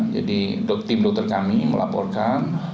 jadi tim dokter kami melaporkan